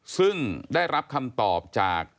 ซึ่งได้รับคำตอบจาก